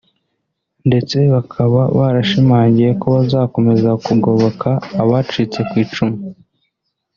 ndetse bakaba barashimangiye ko bazakomeza kugoboka abacitse ku icumu